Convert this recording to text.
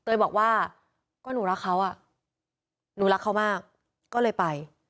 บอกว่าก็หนูรักเขาอ่ะหนูรักเขามากก็เลยไป